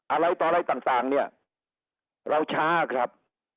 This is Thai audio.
อะไรต่ออะไรต่างเนี่ยเราช้าครับ